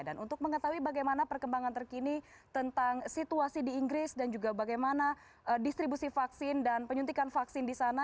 dan untuk mengetahui bagaimana perkembangan terkini tentang situasi di inggris dan juga bagaimana distribusi vaksin dan penyuntikan vaksin di sana